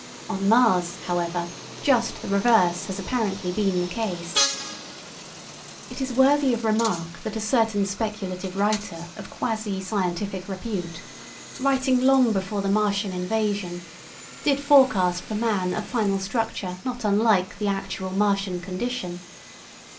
On Mars, however, just the reverse has apparently been the case. It is worthy of remark that a certain speculative writer of quasi scientific repute, writing long before the Martian invasion, did forecast for man a final structure not unlike the actual Martian condition.